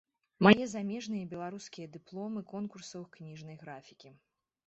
Мае замежныя і беларускія дыпломы конкурсаў кніжнай графікі.